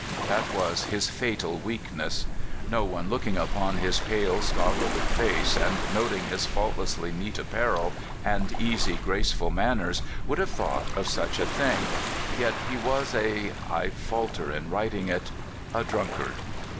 That was his fatal weakness. No one looking upon his pale, scholarly face, and noting his fault lessly neat apparel, and easy, graceful manners, would have thought of such a thing. Yet he was a — I falter in writing it — a drunkard.